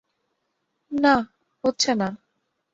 না, হচ্ছে না।